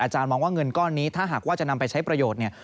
มองว่าเงินก้อนนี้ถ้าหากว่าจะนำไปใช้ประโยชน์เนี่ย